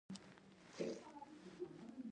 هغو ملتونو چې پرانیستي بنسټونه بنا کړل.